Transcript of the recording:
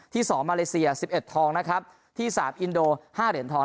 ๒มาเลเซีย๑๑ทองนะครับที่๓อินโด๕เหรียญทอง